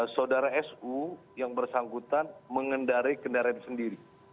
saudara su yang bersangkutan mengendari kendaraan sendiri